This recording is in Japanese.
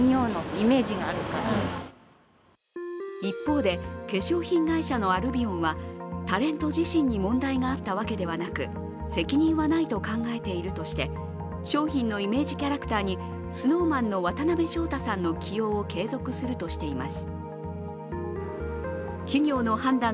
一方で、化粧品会社のアルビオンはタレント自身に問題があったわけではなく責任はないと考えているとして、商品のイメージキャラクターにＳｎｏｗＭａｎの渡辺翔太さんの起用を継続するとしています。